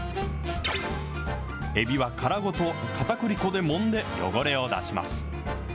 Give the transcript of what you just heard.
えびは殻ごとかたくり粉でもんで、汚れを出します。